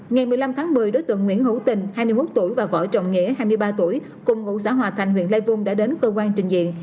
ngày một mươi năm tháng một mươi đối tượng nguyễn hữu tình hai mươi một tuổi và võ trọng nghĩa hai mươi ba tuổi cùng ngụ xã hòa thành huyện lai vung đã đến cơ quan trình diện